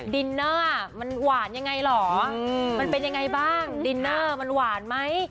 ดินเนอร์มันหวานยังไงเหรอมันเป็นยังไงบ้างดินเนอร์มันหวานไหม